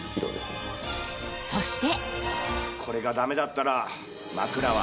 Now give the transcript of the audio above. そして。